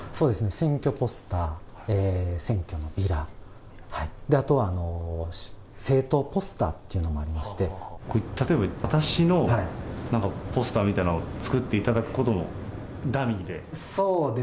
選挙ポスター、選挙のビラ、あとは政党ポスターっていうのも例えば私のポスターみたいなの作っていただくことも、ダミーで。